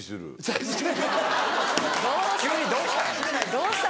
どうした？